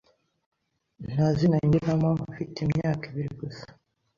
Nta zina ngiram fite imyaka ibiri gusa